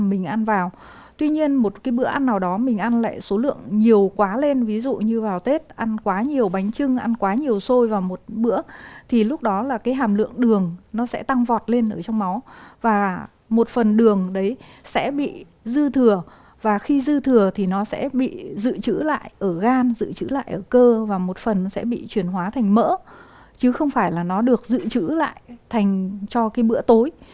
mình ăn vào tuy nhiên một cái bữa ăn nào đó mình ăn lại số lượng nhiều quá lên ví dụ như vào tết ăn quá nhiều bánh chưng ăn quá nhiều xôi vào một bữa thì lúc đó là cái hàm lượng đường nó sẽ tăng vọt lên ở trong máu và một phần đường đấy sẽ bị dư thừa và khi dư thừa thì nó sẽ bị dự trữ lại ở gan dự trữ lại ở cơ và một phần sẽ bị chuyển hóa thành mỡ chứ không phải là nó được dự trữ lại thành cho cái bữa tối